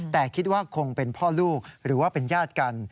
แต่คิดว่าคงเป็นพ่อลูกหรือว่าเป็นญาติกัน